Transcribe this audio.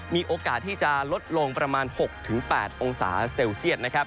มีโอกาสที่จะลดลงประมาณ๖๘องศาเซลเซียตนะครับ